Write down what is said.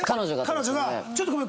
彼女がちょっとごめん